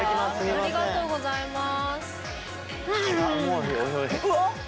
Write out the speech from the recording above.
ありがとうございます。